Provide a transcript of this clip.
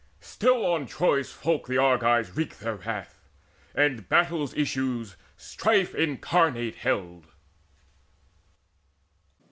Still on Troy's folk the Argives wreaked their wrath, And battle's issues Strife Incarnate held.